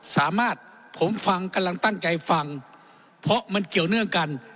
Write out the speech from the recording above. สามารถผมฟังกำลังตั้งใจฟังเพราะมันเกี่ยวเนื่องกัน